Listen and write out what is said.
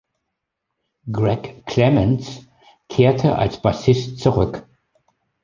Gregg Clemons kehrte als Bassist zurück.